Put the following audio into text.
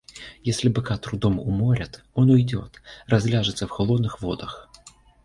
Если быка трудом уморят — он уйдет, разляжется в холодных водах.